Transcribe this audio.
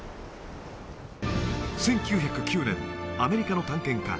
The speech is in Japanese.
１９０９年アメリカの探検家